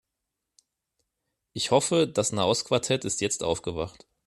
Ich hoffe, das Nahost-Quartett ist jetzt aufgewacht.